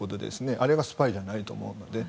あれはスパイじゃないと思うので。